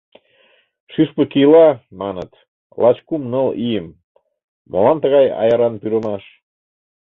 Шӱшпык ила, маныт, лач кум-ныл ийым, молан тыгай аяран пӱрымаш?